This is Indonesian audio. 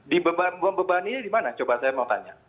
bebaninya di mana coba saya mau tanya